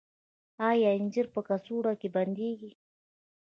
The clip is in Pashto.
آیا انځر په کڅوړو کې بندیږي؟